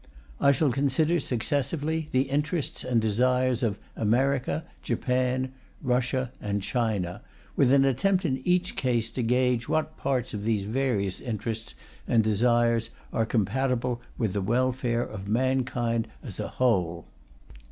I shall consider successively the interests and desires of America, Japan, Russia and China, with an attempt, in each case, to gauge what parts of these various interests and desires are compatible with the welfare of mankind as a whole.